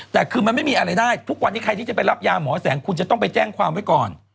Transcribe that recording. แต่คือมันไม่มีอะไรได้ทุกวันนี้ใครที่จะไปรับยาหมอแสงคุณจะต้องไปแจ้งความไว้ก่อน